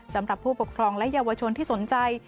สำหรับผู้ปกครองและเยาวชนที่สนใจ